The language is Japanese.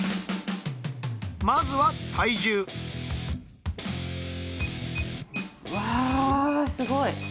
まずは体重うわすごい！